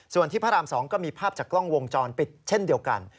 ส่วนที่พระราม๒ก็มีภาพจากกล้องวงจรปิดเช่นเดียวกัน